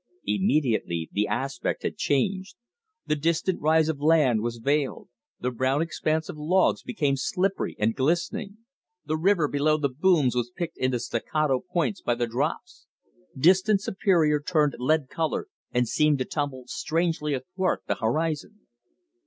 Immediately the aspect had changed. The distant rise of land was veiled; the brown expanse of logs became slippery and glistening; the river below the booms was picked into staccato points by the drops; distant Superior turned lead color and seemed to tumble strangely athwart the horizon.